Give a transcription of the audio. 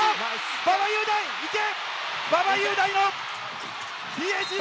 馬場雄大、いけ！